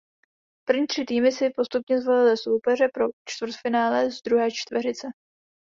První tři týmy si postupně zvolily soupeře pro čtvrtfinále z druhé čtveřice.